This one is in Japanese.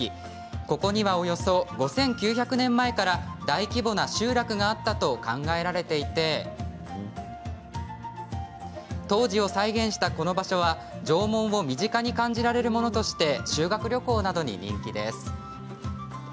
ここにはおよそ５９００年前から大規模な集落があったと考えられていて当時を再現したこの場所は縄文を身近に感じられるものとして修学旅行などに人気です。